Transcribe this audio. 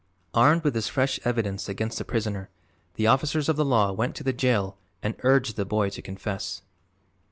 Armed with this fresh evidence against the prisoner the officers of the law went to the jail and urged the boy to confess.